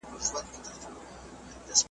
زما د مورکۍ د الاهو ماته آشنا کلی دی ,